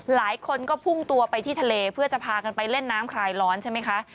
หลายคนก็พุ่งตัวไปที่ทะเลเพื่อจะพากันไปเล่นน้ำคลายร้อนใช่ไหมคะ